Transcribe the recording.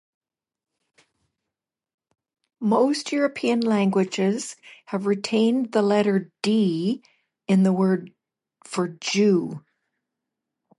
Most European languages have retained the letter "d" in the word for Jew.